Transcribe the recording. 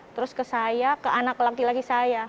terus ke saya ke anak laki laki saya